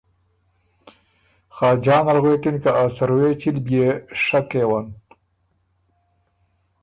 خاجان ال غوېکِن که ا څروېچی ل بيې شۀ کېون۔